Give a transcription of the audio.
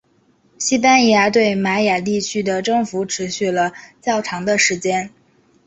西班牙对玛雅地区的征服持续了较长的时间。